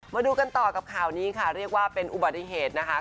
มาดูกันต่อกับข่าวนี้ค่ะเรียกว่าเป็นอุบัติเหตุนะคะ